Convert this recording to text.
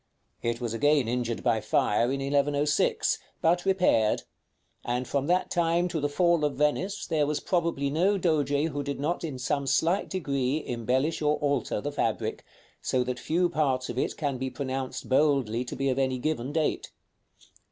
It was again injured by fire in 1106, but repaired; and from that time to the fall of Venice there was probably no Doge who did not in some slight degree embellish or alter the fabric, so that few parts of it can be pronounced boldly to be of any given date.